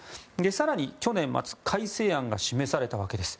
更に、去年末改正案が示されたわけです。